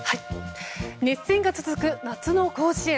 熱戦が続く夏の甲子園